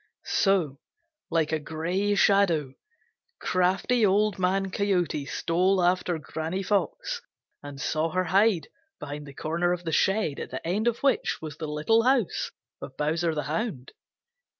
So, like a gray shadow, crafty Old Man Coyote stole after Granny Fox and saw her hide behind the corner of the shed at the end of which was the little house of Bowser the Hound.